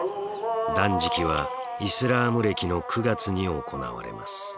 断食はイスラーム暦の９月に行われます。